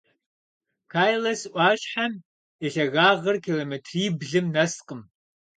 Кайлас ӏуащхьэм и лъагагъыр километриблым нэскъым.